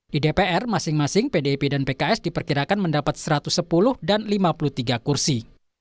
di dpr masing masing pdip dan pks diperkirakan mendapat satu ratus sepuluh dan lima puluh tiga kursi